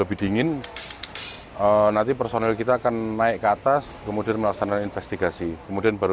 lebih dingin nanti personil kita akan naik ke atas kemudian melaksanakan investigasi kemudian baru